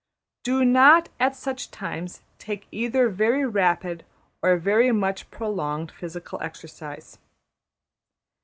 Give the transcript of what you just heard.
Do not at such times take either very rapid or very much prolonged physical exercise.